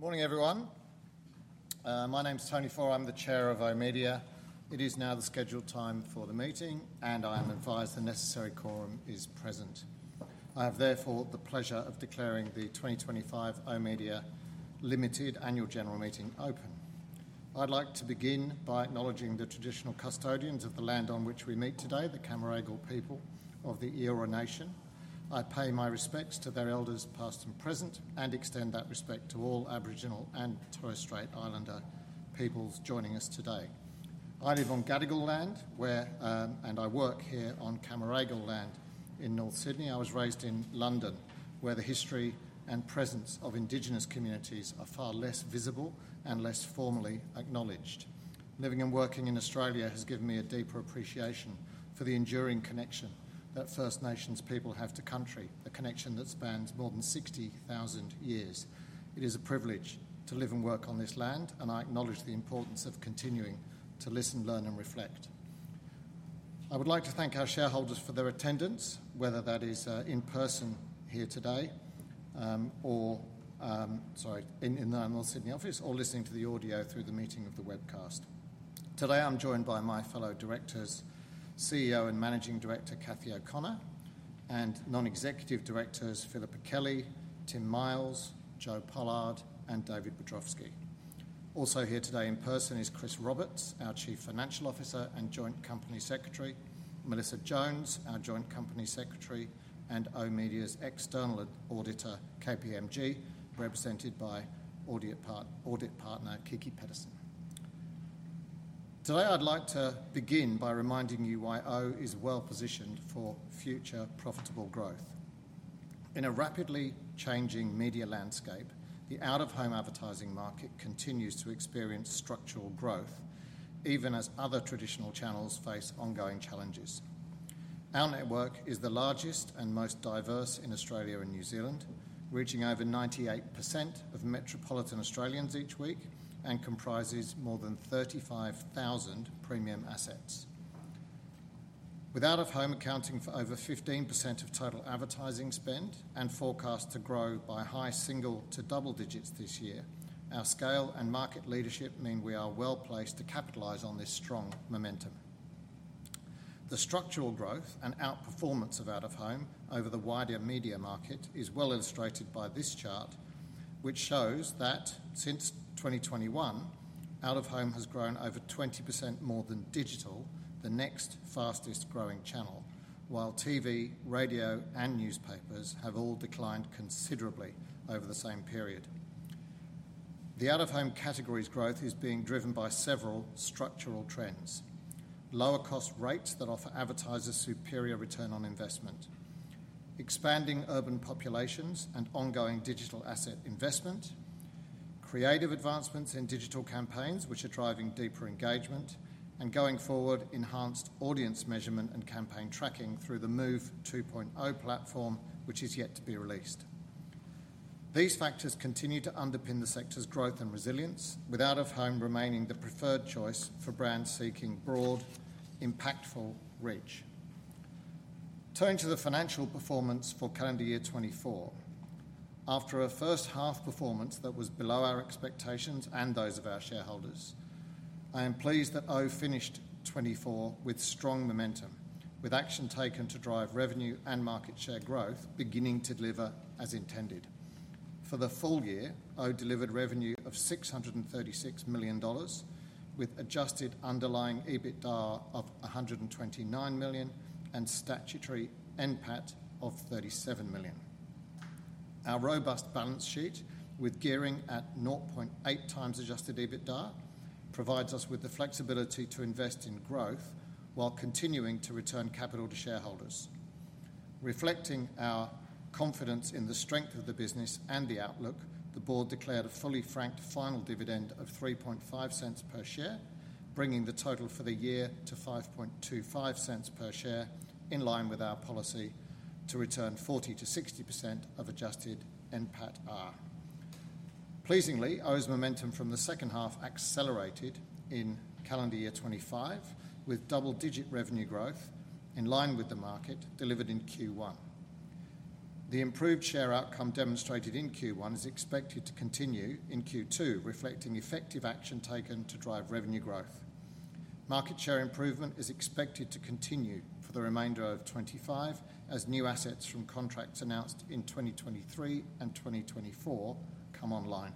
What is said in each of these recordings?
Good morning, everyone. My name is Tony Faure. I'm the Chair of oOh!media. It is now the scheduled time for the meeting, and I am advised the necessary quorum is present. I have therefore the pleasure of declaring the 2025 oOh!media Limited Annual General Meeting open. I'd like to begin by acknowledging the traditional custodians of the land on which we meet today, the Cammeraygal people of the Eora Nation. I pay my respects to their elders, past and present, and extend that respect to all Aboriginal and Torres Strait Islander peoples joining us today. I live on Gadigal land, and I work here on Cammeraygal land in North Sydney. I was raised in London, where the history and presence of Indigenous communities are far less visible and less formally acknowledged. Living and working in Australia has given me a deeper appreciation for the enduring connection that First Nations people have to country, a connection that spans more than 60,000 years. It is a privilege to live and work on this land, and I acknowledge the importance of continuing to listen, learn, and reflect. I would like to thank our shareholders for their attendance, whether that is in person here today or, sorry, in the Sydney office, or listening to the audio through the meeting of the webcast. Today I'm joined by my fellow directors, CEO and Managing Director, Cathy O'Connor, and non-executive directors, Philippa Kelly, Tim Miles, Jo Pollard, and David Wiadrowski. Also here today in person is Chris Roberts, our Chief Financial Officer and Joint Company Secretary, Melissa Jones, our Joint Company Secretary, and oOh!media's External Auditor, KPMG, represented by audit partner Kiki Pedersen. Today I'd like to begin by reminding you why oOh! is well positioned for future profitable growth. In a rapidly changing media landscape, the out-of-home advertising market continues to experience structural growth, even as other traditional channels face ongoing challenges. Our network is the largest and most diverse in Australia and New Zealand, reaching over 98% of metropolitan Australians each week and comprises more than 35,000 premium assets. With out-of-home accounting for over 15% of total advertising spend and forecast to grow by high single- to double digits this year, our scale and market leadership mean we are well placed to capitalise on this strong momentum. The structural growth and outperformance of out-of-home over the wider media market is well illustrated by this chart, which shows that since 2021, out-of-home has grown over 20% more than digital, the next fastest growing channel, while TV, radio, and newspapers have all declined considerably over the same period. The out-of-home category's growth is being driven by several structural trends: lower cost rates that offer advertisers superior return on investment, expanding urban populations and ongoing digital asset investment, creative advancements in digital campaigns, which are driving deeper engagement, and going forward, enhanced audience measurement and campaign tracking through the MOVE 2.0 platform, which is yet to be released. These factors continue to underpin the sector's growth and resilience, with out-of-home remaining the preferred choice for brands seeking broad, impactful reach. Turning to the financial performance for calendar year 2024, after a first half performance that was below our expectations and those of our shareholders, I am pleased that oOh! finished 2024 with strong momentum, with action taken to drive revenue and market share growth beginning to deliver as intended. For the full year, oOh! delivered revenue of 636 million dollars, with adjusted underlying EBITDA of 129 million and statutory NPAT of 37 million. Our robust balance sheet, with gearing at 0.8 times Adjusted EBITDA, provides us with the flexibility to invest in growth while continuing to return capital to shareholders. Reflecting our confidence in the strength of the business and the outlook, the board declared a fully franked final dividend of 0.035 per share, bringing the total for the year to 0.0525 per share, in line with our policy to return 40%-60% of adjusted NPATR. Pleasingly, oOh!'s momentum from the second half accelerated in calendar year 2025, with double-digit revenue growth in line with the market delivered in Q1. The improved share outcome demonstrated in Q1 is expected to continue in Q2, reflecting effective action taken to drive revenue growth. Market share improvement is expected to continue for the remainder of 2025, as new assets from contracts announced in 2023 and 2024 come online.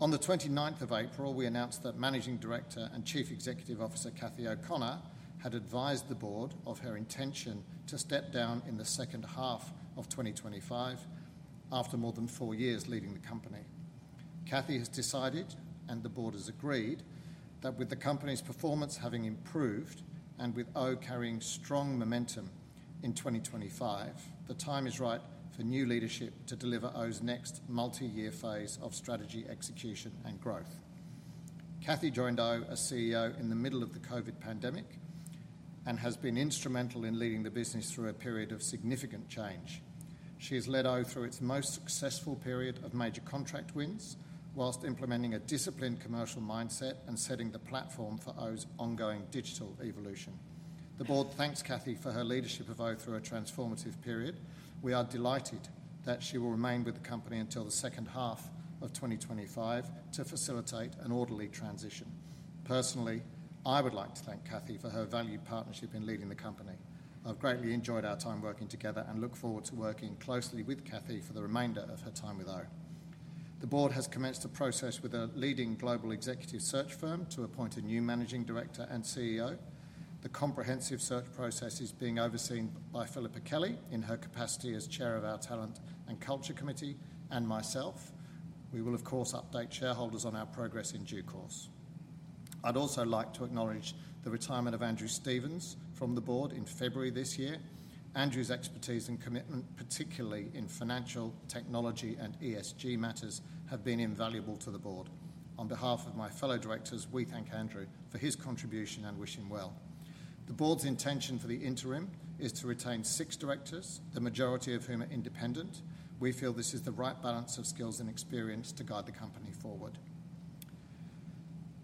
On the 29th of April, we announced that Managing Director and Chief Executive Officer Cathy O'Connor had advised the board of her intention to step down in the second half of 2025 after more than four years leading the company. Cathy has decided, and the board has agreed, that with the company's performance having improved and with oOh! carrying strong momentum in 2025, the time is right for new leadership to deliver oOh!'s next multi-year phase of strategy execution and growth. Cathy joined oOh!media as CEO in the middle of the COVID pandemic and has been instrumental in leading the business through a period of significant change. She has led oOh!media through its most successful period of major contract wins, whilst implementing a disciplined commercial mindset and setting the platform for oOh!media's ongoing digital evolution. The board thanks Cathy for her leadership of oOh!media through a transformative period. We are delighted that she will remain with the company until the second half of 2025 to facilitate an orderly transition. Personally, I would like to thank Cathy for her valued partnership in leading the company. I've greatly enjoyed our time working together and look forward to working closely with Cathy for the remainder of her time with oOh!media. The board has commenced a process with a leading global executive search firm to appoint a new Managing Director and CEO. The comprehensive search process is being overseen by Philippa Kelly in her capacity as Chair of our Talent and Culture Committee and myself. We will, of course, update shareholders on our progress in due course. I'd also like to acknowledge the retirement of Andrew Stevens from the board in February this year. Andrew's expertise and commitment, particularly in financial, technology, and ESG matters, have been invaluable to the board. On behalf of my fellow directors, we thank Andrew for his contribution and wish him well. The board's intention for the interim is to retain six directors, the majority of whom are independent. We feel this is the right balance of skills and experience to guide the company forward.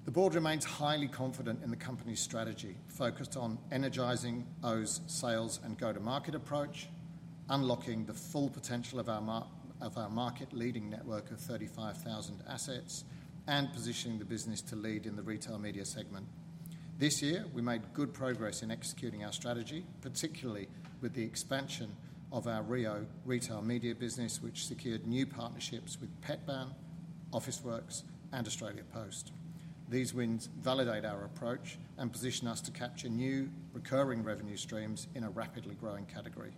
The board remains highly confident in the company's strategy, focused on energizing oOh!'s sales and go-to-market approach, unlocking the full potential of our market-leading network of 35,000 assets, and positioning the business to lead in the retail media segment. This year, we made good progress in executing our strategy, particularly with the expansion of our Rio retail media business, which secured new partnerships with Petbarn, Officeworks, and Australia Post. These wins validate our approach and position us to capture new recurring revenue streams in a rapidly growing category.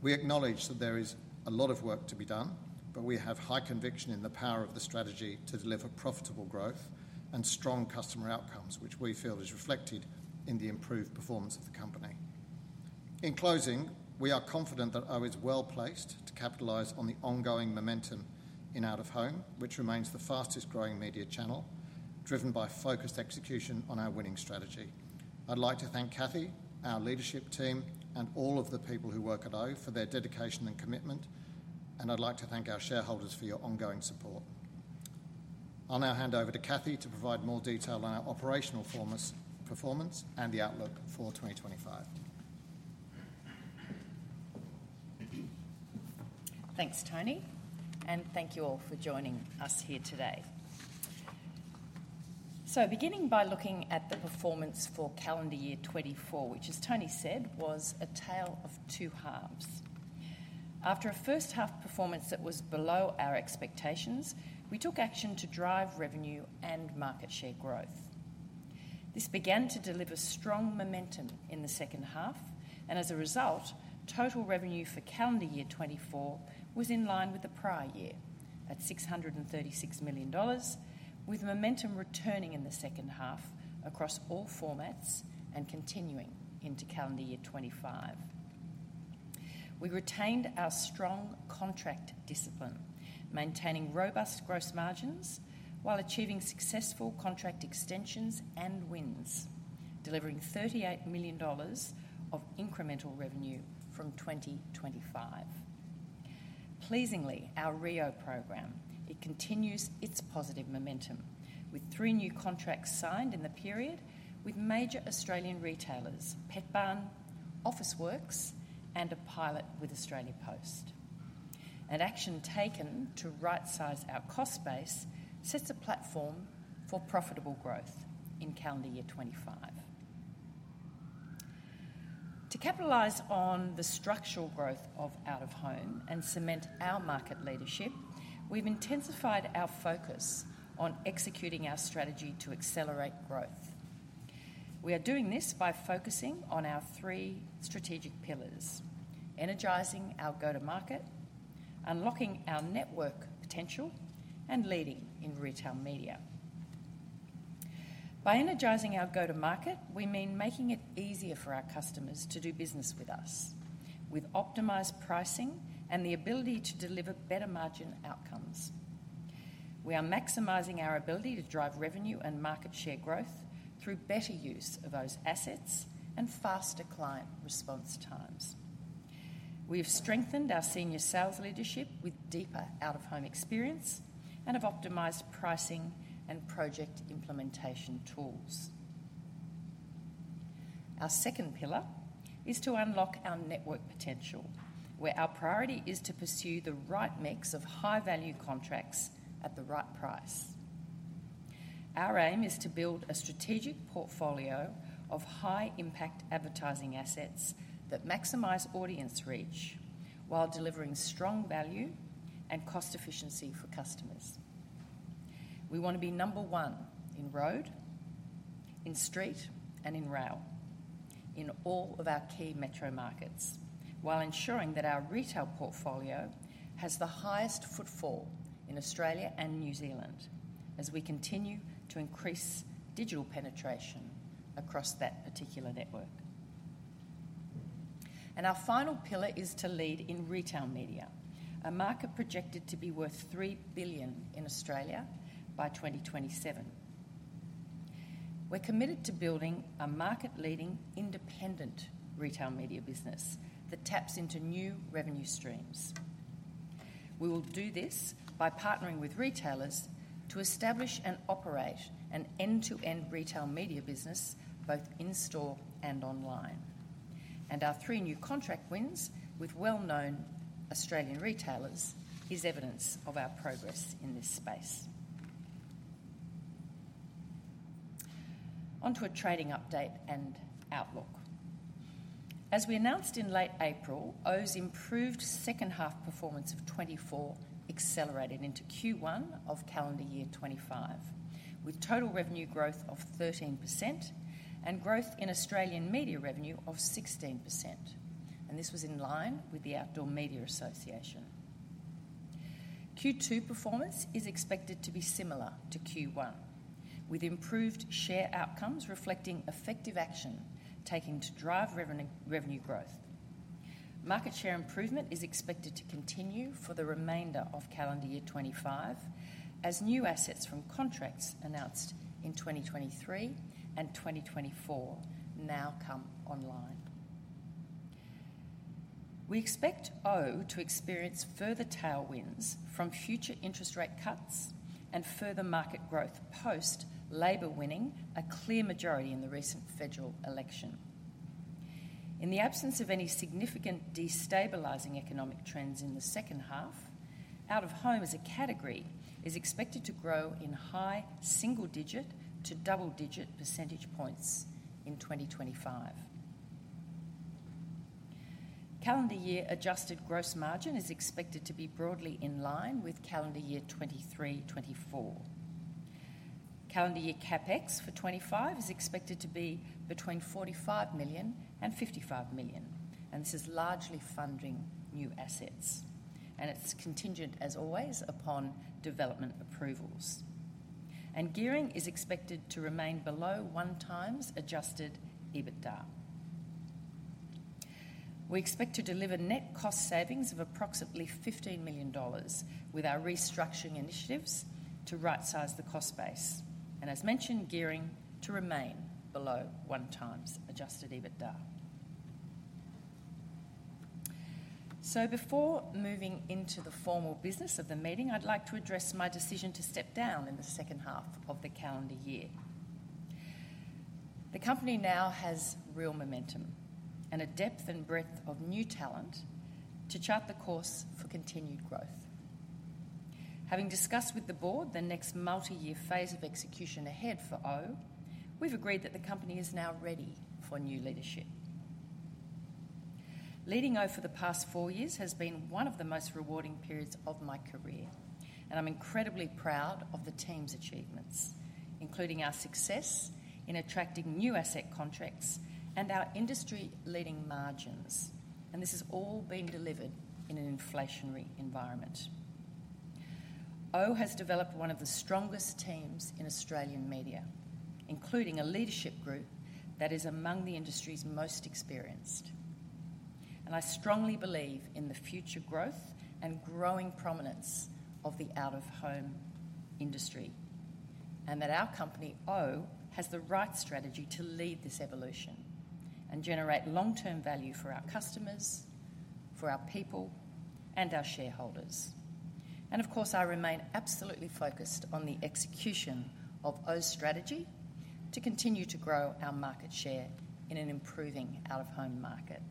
We acknowledge that there is a lot of work to be done, but we have high conviction in the power of the strategy to deliver profitable growth and strong customer outcomes, which we feel is reflected in the improved performance of the company. In closing, we are confident that oOh! is well placed to capitalise on the ongoing momentum in out-of-home, which remains the fastest growing media channel, driven by focused execution on our winning strategy. I'd like to thank Cathy, our leadership team, and all of the people who work at oOh! for their dedication and commitment, and I'd like to thank our shareholders for your ongoing support. I'll now hand over to Cathy to provide more detail on our operational performance and the outlook for 2025. Thanks, Tony, and thank you all for joining us here today. Beginning by looking at the performance for calendar year 2024, which, as Tony said, was a tale of two halves. After a first half performance that was below our expectations, we took action to drive revenue and market share growth. This began to deliver strong momentum in the second half, and as a result, total revenue for calendar year 2024 was in line with the prior year at 636 million dollars, with momentum returning in the second half across all formats and continuing into calendar year 2025. We retained our strong contract discipline, maintaining robust gross margins while achieving successful contract extensions and wins, delivering 38 million dollars of incremental revenue from 2025. Pleasingly, our Rio program continues its positive momentum, with three new contracts signed in the period with major Australian retailers, Petbarn, Officeworks, and a pilot with Australia Post. Action taken to right-size our cost base sets a platform for profitable growth in calendar year 2025. To capitalise on the structural growth of out-of-home and cement our market leadership, we have intensified our focus on executing our strategy to accelerate growth. We are doing this by focusing on our three strategic pillars: energising our go-to-market, unlocking our network potential, and leading in retail media. By energising our go-to-market, we mean making it easier for our customers to do business with us, with optimised pricing and the ability to deliver better margin outcomes. We are maximising our ability to drive revenue and market share growth through better use of those assets and faster client response times. We have strengthened our senior sales leadership with deeper out-of-home experience and have optimized pricing and project implementation tools. Our second pillar is to unlock our network potential, where our priority is to pursue the right mix of high-value contracts at the right price. Our aim is to build a strategic portfolio of high-impact advertising assets that maximize audience reach while delivering strong value and cost efficiency for customers. We want to be number one in road, in street, and in rail in all of our key metro markets, while ensuring that our retail portfolio has the highest footfall in Australia and New Zealand as we continue to increase digital penetration across that particular network. Our final pillar is to lead in retail media, a market projected to be worth 3 billion in Australia by 2027. We're committed to building a market-leading independent retail media business that taps into new revenue streams. We will do this by partnering with retailers to establish and operate an end-to-end retail media business both in store and online. Our three new contract wins with well-known Australian retailers is evidence of our progress in this space. Onto a trading update and outlook. As we announced in late April, oOh!media's improved second half performance of 2024 accelerated into Q1 of calendar year 2025, with total revenue growth of 13% and growth in Australian media revenue of 16%. This was in line with the Outdoor Media Association. Q2 performance is expected to be similar to Q1, with improved share outcomes reflecting effective action taken to drive revenue growth. Market share improvement is expected to continue for the remainder of calendar year 2025 as new assets from contracts announced in 2023 and 2024 now come online. We expect oOh!media to experience further tailwinds from future interest rate cuts and further market growth post Labour winning a clear majority in the recent federal election. In the absence of any significant destabilizing economic trends in the second half, out-of-home as a category is expected to grow in high single-digit to double-digit percentage points in 2025. Calendar year adjusted gross margin is expected to be broadly in line with calendar year 2023-2024. Calendar year CapEx for 2025 is expected to be between 45 million-55 million, and this is largely funding new assets, and it is contingent, as always, upon development approvals. Gearing is expected to remain below one times Adjusted EBITDA. We expect to deliver net cost savings of approximately 15 million dollars with our restructuring initiatives to right-size the cost base. As mentioned, gearing to remain below one times Adjusted EBITDA. Before moving into the formal business of the meeting, I'd like to address my decision to step down in the second half of the calendar year. The company now has real momentum and a depth and breadth of new talent to chart the course for continued growth. Having discussed with the board the next multi-year phase of execution ahead for oOh!media, we've agreed that the company is now ready for new leadership. Leading oOh!media for the past four years has been one of the most rewarding periods of my career, and I'm incredibly proud of the team's achievements, including our success in attracting new asset contracts and our industry-leading margins. This has all been delivered in an inflationary environment. oOh! has developed one of the strongest teams in Australian media, including a leadership group that is among the industry's most experienced. I strongly believe in the future growth and growing prominence of the out-of-home industry and that our company, oOh!, has the right strategy to lead this evolution and generate long-term value for our customers, for our people, and our shareholders. I remain absolutely focused on the execution of oOh!'s strategy to continue to grow our market share in an improving out-of-home market.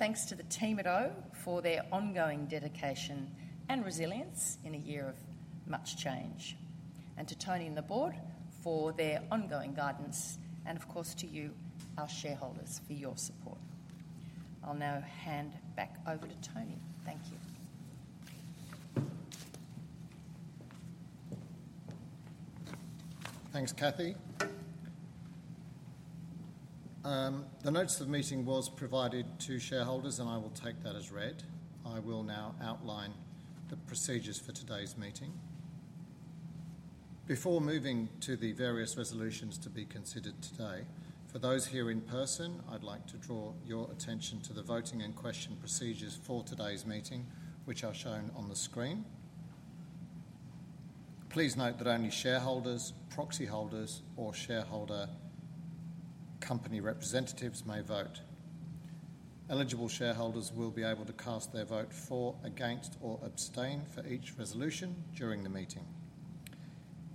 Thanks to the team at oOh! for their ongoing dedication and resilience in a year of much change, and to Tony and the board for their ongoing guidance, and to you, our shareholders, for your support. I'll now hand back over to Tony. Thank you. Thanks, Cathy. The notes of meeting was provided to shareholders, and I will take that as read. I will now outline the procedures for today's meeting. Before moving to the various resolutions to be considered today, for those here in person, I'd like to draw your attention to the voting and question procedures for today's meeting, which are shown on the screen. Please note that only shareholders, proxy holders, or shareholder company representatives may vote. Eligible shareholders will be able to cast their vote for, against, or abstain for each resolution during the meeting.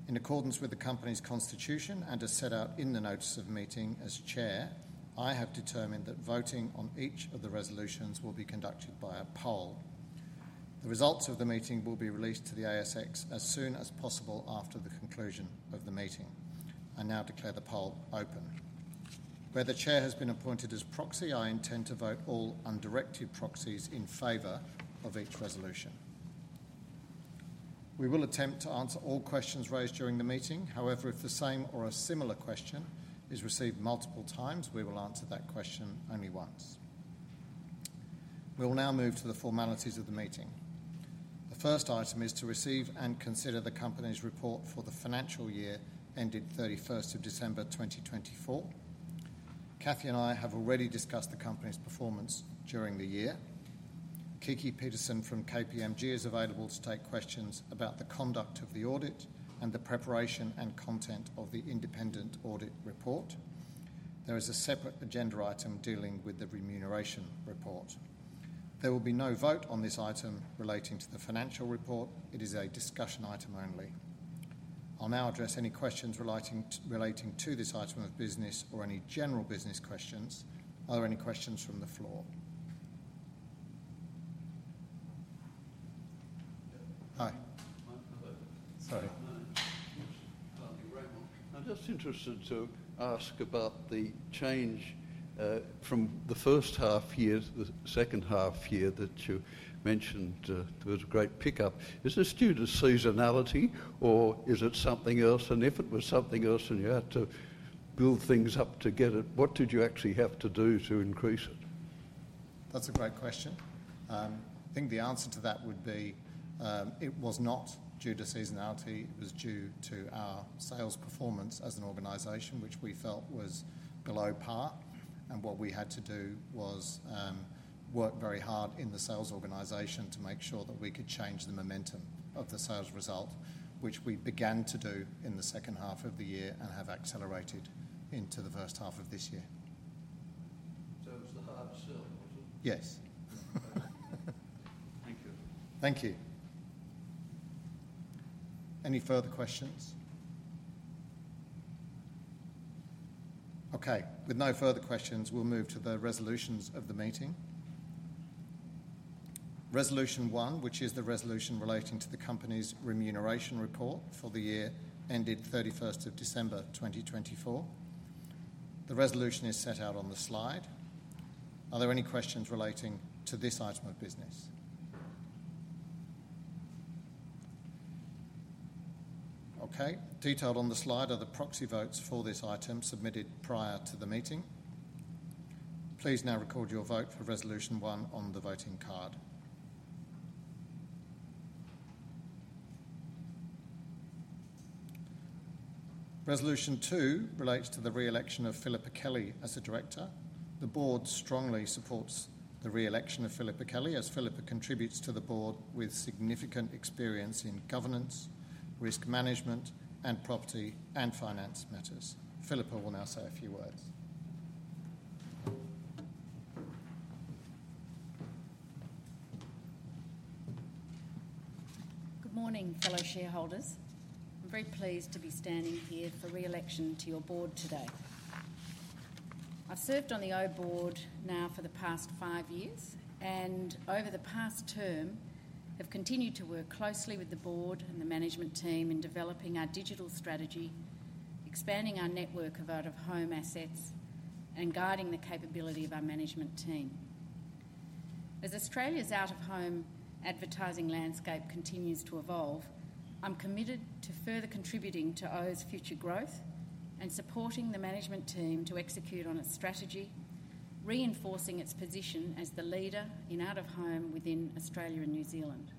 In accordance with the company's constitution and as set out in the notes of meeting, as Chair, I have determined that voting on each of the resolutions will be conducted by a poll. The results of the meeting will be released to the ASX as soon as possible after the conclusion of the meeting. I now declare the poll open. Where the Chair has been appointed as proxy, I intend to vote all undirected proxies in favor of each resolution. We will attempt to answer all questions raised during the meeting. However, if the same or a similar question is received multiple times, we will answer that question only once. We will now move to the formalities of the meeting. The first item is to receive and consider the company's report for the financial year ended 31st of December 2024. Cathy and I have already discussed the company's performance during the year. Kiki Pedersen from KPMG is available to take questions about the conduct of the audit and the preparation and content of the independent audit report. There is a separate agenda item dealing with the remuneration report. There will be no vote on this item relating to the financial report. It is a discussion item only. I'll now address any questions relating to this item of business or any general business questions. Are there any questions from the floor? Hi. Hello. Sorry. I'm just interested to ask about the change from the first half year to the second half year that you mentioned. There was a great pickup. Is this due to seasonality or is it something else? If it was something else and you had to build things up to get it, what did you actually have to do to increase it? That's a great question. I think the answer to that would be it was not due to seasonality. It was due to our sales performance as an organization, which we felt was below par. What we had to do was work very hard in the sales organization to make sure that we could change the momentum of the sales result, which we began to do in the second half of the year and have accelerated into the first half of this year. It was the hard sell, was it? Yes. Thank you. Thank you. Any further questions? Okay. With no further questions, we'll move to the resolutions of the meeting. Resolution one, which is the resolution relating to the company's remuneration report for the year ended 31st of December 2024. The resolution is set out on the slide. Are there any questions relating to this item of business? Okay. Detailed on the slide are the proxy votes for this item submitted prior to the meeting. Please now record your vote for resolution one on the voting card. Resolution two relates to the re-election of Philippa Kelly as a director. The board strongly supports the re-election of Philippa Kelly as Philippa contributes to the board with significant experience in governance, risk management, and property and finance matters. Philippa will now say a few words. Good morning, fellow shareholders. I'm very pleased to be standing here for re-election to your board today. I've served on the oOh!media board now for the past five years and over the past term have continued to work closely with the board and the management team in developing our digital strategy, expanding our network of out-of-home assets, and guiding the capability of our management team. As Australia's out-of-home advertising landscape continues to evolve, I'm committed to further contributing to oOh!media's future growth and supporting the management team to execute on its strategy, reinforcing its position as the leader in out-of-home within Australia and New Zealand.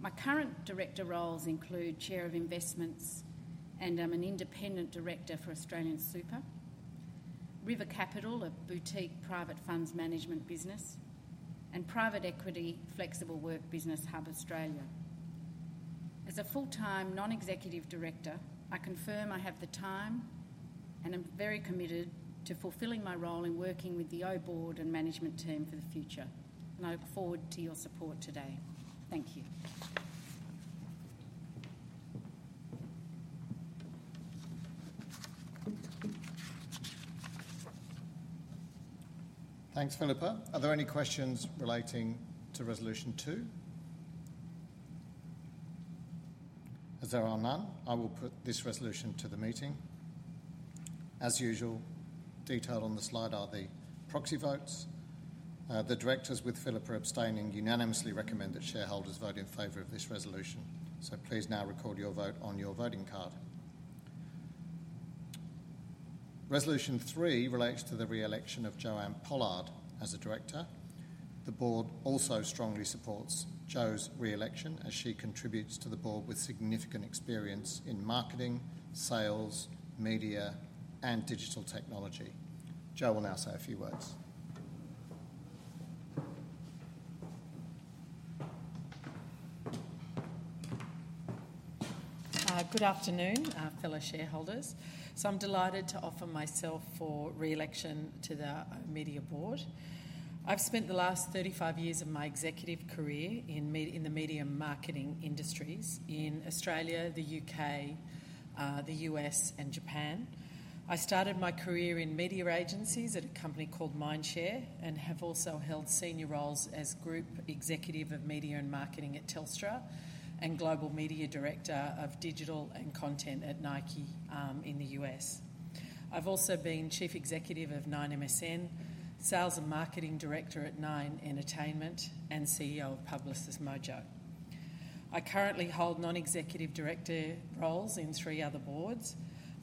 My current director roles include Chair of Investments and I'm an independent director for AustralianSuper, River Capital, a boutique private funds management business, and Private Equity Flexible Work Business Hub Australia. As a full-time non-executive director, I confirm I have the time and I'm very committed to fulfilling my role in working with the oOh!media board and management team for the future. I look forward to your support today. Thank you. Thanks, Philippa. Are there any questions relating to resolution two? If there are none, I will put this resolution to the meeting. As usual, detailed on the slide are the proxy votes. The directors, with Philippa abstaining, unanimously recommend that shareholders vote in favor of this resolution. Please now record your vote on your voting card. Resolution three relates to the re-election of Joanne Pollard as a director. The board also strongly supports Jo's re-election as she contributes to the board with significant experience in marketing, sales, media, and digital technology. Jo will now say a few words. Good afternoon, fellow shareholders. I'm delighted to offer myself for re-election to the oOh!media board. I've spent the last 35 years of my executive career in the media marketing industries in Australia, the U.K., the U.S., and Japan. I started my career in media agencies at a company called Mindshare and have also held senior roles as Group Executive of Media and Marketing at Telstra and Global Media Director of Digital and Content at Nike in the U.S. I've also been Chief Executive of NineMSN, Sales and Marketing Director at Nine Entertainment, and CEO of Publicis Mojo. I currently hold non-executive director roles in three other boards.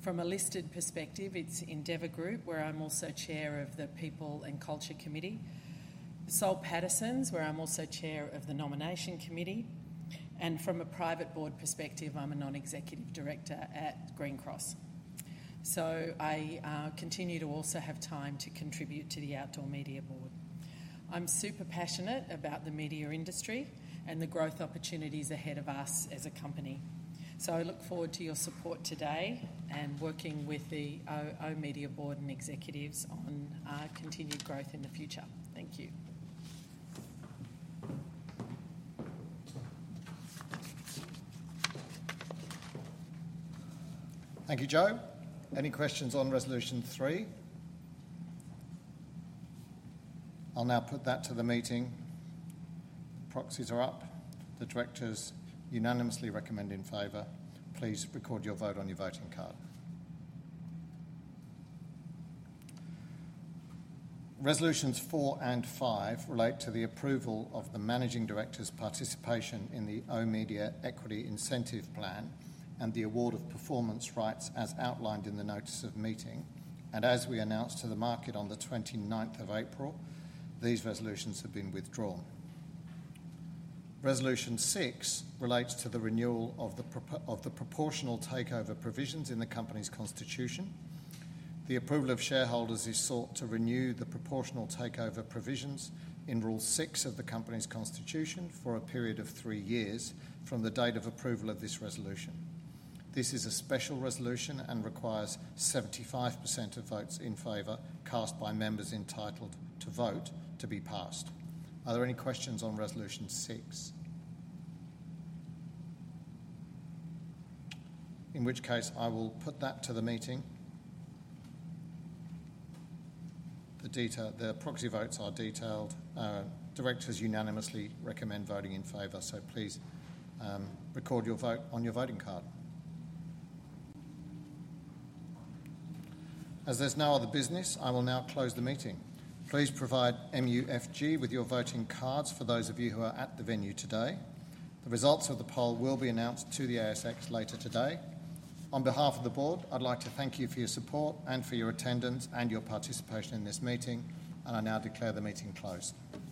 From a listed perspective, it's Endeavour Group, where I'm also Chair of the People and Culture Committee; Washington H. Soul Pattinson and Company Limited, where I'm also Chair of the Nomination Committee; and from a private board perspective, I'm a non-executive director at Green Cross. I continue to also have time to contribute to the Outdoor Media Board. I'm super passionate about the media industry and the growth opportunities ahead of us as a company. I look forward to your support today and working with the oOh!media Board and executives on continued growth in the future. Thank you. Thank you, Jo. Any questions on resolution three? I'll now put that to the meeting. Proxies are up. The directors unanimously recommend in favor. Please record your vote on your voting card. Resolutions four and five relate to the approval of the Managing Director's participation in the oOh!media Equity Incentive Plan and the award of performance rights as outlined in the notice of meeting. As we announced to the market on the 29th of April, these resolutions have been withdrawn. Resolution six relates to the renewal of the proportional takeover provisions in the company's constitution. The approval of shareholders is sought to renew the proportional takeover provisions in Rule Six of the company's constitution for a period of three years from the date of approval of this resolution. This is a special resolution and requires 75% of votes in favour cast by members entitled to vote to be passed. Are there any questions on resolution six? In which case, I will put that to the meeting. The proxy votes are detailed. Directors unanimously recommend voting in favour. Please record your vote on your voting card. As there is no other business, I will now close the meeting. Please provide MUFG with your voting cards for those of you who are at the venue today. The results of the poll will be announced to the ASX later today. On behalf of the board, I would like to thank you for your support and for your attendance and your participation in this meeting. I now declare the meeting closed. Thanks.